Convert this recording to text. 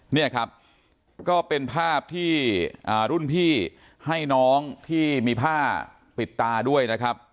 เนี่ยครับก็เป็นภาพที่รุ่นพี่ให้น้องที่มีผ้าปิดตาด้วยนะครับ